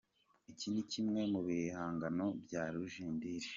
Iki ni kimwe mubihangano bya Rujindiri.